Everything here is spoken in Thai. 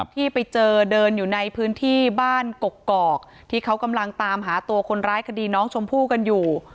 ที่ไปเจอเดินอยู่ในพื้นที่บ้านกกอกที่เขากำลังตามหาตัวคนร้ายคดีน้องชมพู่กันอยู่